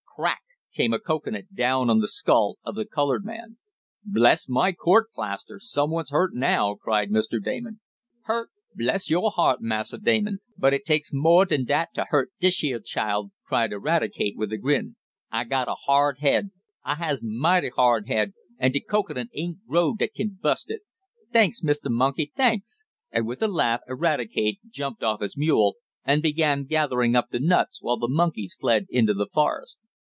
Crack! came a cocoanut down on the skull of the colored man. "Bless my court plaster! Someone's hurt now!" cried Mr. Damon. "Hurt? Bless yo' heart, Massa Damon, it takes mo' dan dat t' hurt dish yeah chile!" cried Eradicate with a grin. "Ah got a hard head, Ah has, mighty hard head, an' de cocoanut ain't growed dat kin bust it. Thanks, Mistah Monkey, thanks!" and with a laugh Eradicate jumped off his mule, and began gathering up the nuts, while the monkeys fled into the forest.